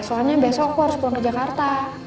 soalnya besok aku harus pulang ke jakarta